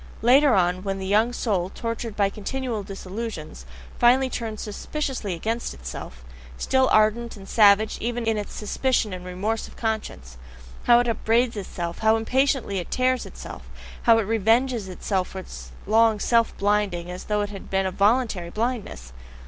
Later on, when the young soul, tortured by continual disillusions, finally turns suspiciously against itself still ardent and savage even in its suspicion and remorse of conscience: how it upbraids itself, how impatiently it tears itself, how it revenges itself for its long self blinding, as though it had been a voluntary blindness!